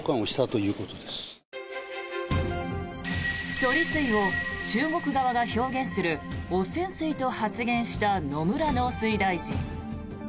処理水を、中国側が表現する汚染水と発言した野村農水大臣。